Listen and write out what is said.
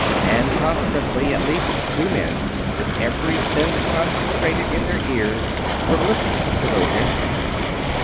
And constantly at least two men, with every sense concentrated in their ears, were listening to those instruments.